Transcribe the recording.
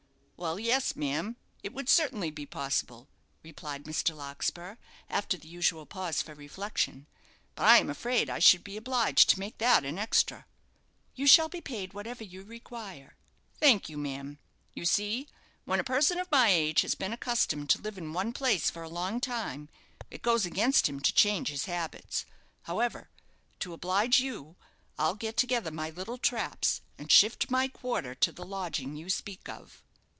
"Well, yes, ma'am, it would certainly be possible," replied Mr. Larkspur, after the usual pause for reflection; "but I'm afraid I should be obliged to make that an extra." "You shall be paid whatever you require." "Thank you, ma'am. You see, when a person of my age has been accustomed to live in one place for a long time, it goes against him to change his habits. However, to oblige you, I'll get together my little traps, and shift my quarter to the lodging you speak of."